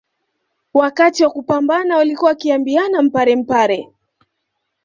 Wakati wa kupambana walikuwa wakiambiana mpare mpare